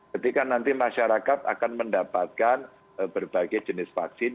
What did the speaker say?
ketika nanti masyarakat akan mendapatkan berbagai jenis vaksin